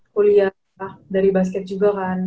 kuliah dari basket juga kan